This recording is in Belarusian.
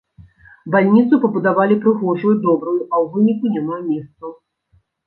Бальніцу пабудавалі прыгожую, добрую, а ў выніку няма месцаў.